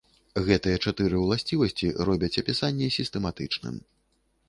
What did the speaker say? Гэтыя чатыры ўласцівасці робяць апісанне сістэматычным.